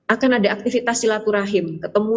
akan ada aktivitas silaturahim ketemu